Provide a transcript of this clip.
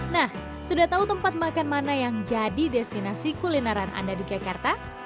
nah sudah tahu tempat makan mana yang jadi destinasi kulineran anda di jakarta